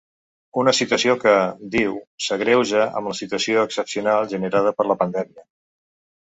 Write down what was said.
Una situació que, diu, s’agreuja amb la situació excepcional generada per la pandèmia.